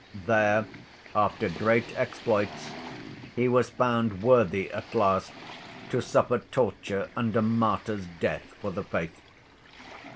There, after great exploits, he was found worthy at last to suffer torture and a martyr's death for the faith.